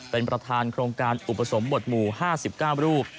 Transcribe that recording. เป็นประธานโครงการอุปสมบทหมู่๕๙รูป